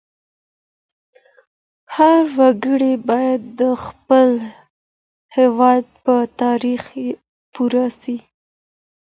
هر وګړی باید د خپل هېواد په تاریخ پوه سي.